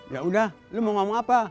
yaudah lu mau ngomong apa